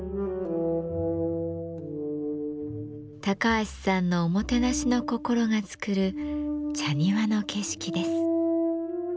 橋さんのおもてなしの心が作る茶庭の景色です。